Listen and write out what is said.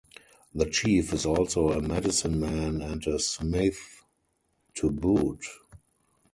The chief is also a medicine-man and a smith to boot.